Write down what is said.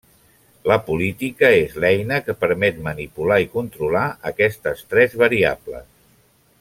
La política és l'eina que permet manipular i controlar aquestes tres variables.